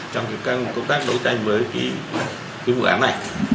trong cái công tác đấu tranh với cái vụ án này